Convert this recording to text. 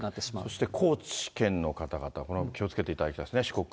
そして高知県の方々、気をつけていただきたいですね、四国。